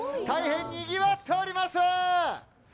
大変にぎわっております。